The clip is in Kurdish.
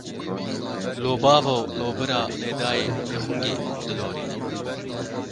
Lo bavo, lo bira, lê dayê, lê xungê, dilorînin.